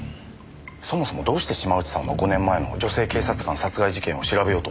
そもそもどうして島内さんは５年前の女性警察官殺害事件を調べようと思ったんでしょう？